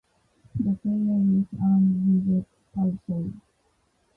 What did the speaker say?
The player is armed with a parasol.